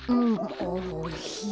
おいしい。